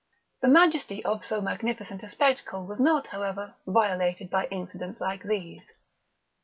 The majesty of so magnificent a spectacle was not, however, violated by incidents like these.